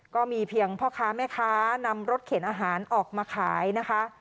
ก็มีเพียงพ่อค้าแม่ค้านำรถเข็นอาหารออกมาขายนะคะ